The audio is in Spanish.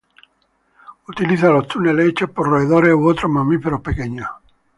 Utiliza los túneles hechos por roedores u otros mamíferos pequeños.